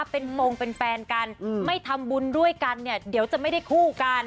เป็นโปรงเป็นแฟนกันไม่ทำบุญด้วยกันเนี่ยเดี๋ยวจะไม่ได้คู่กัน